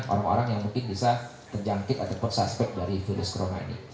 orang orang yang mungkin bisa terjangkit ataupun suspek dari virus corona ini